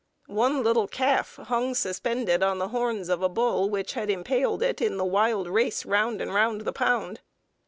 One little calf hung suspended on the horns of a bull which had impaled it in the wild race round and round the pound.